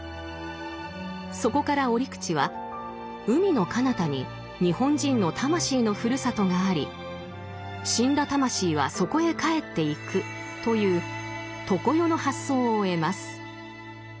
そこから折口は海のかなたに日本人の魂のふるさとがあり死んだ魂はそこへ帰っていくという「常世」の発想を得ます。